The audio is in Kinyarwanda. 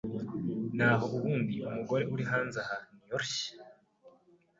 naho ubundi umugore uri hanze aha ntiyorshye